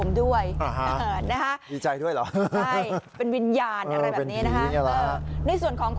นี่นี่นี่นี่นี่นี่นี่นี่นี่